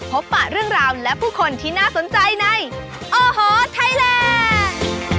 ปะเรื่องราวและผู้คนที่น่าสนใจในโอ้โหไทยแลนด์